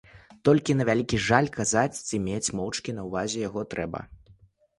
Толькі, на вялікі жаль, казаць ці мець моўчкі на ўвазе яго трэба.